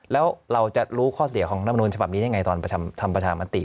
แล้วเราจะรู้ข้อเสียของรัฐมนุนฉบับนี้ได้ยังไงตอนทำประชามติ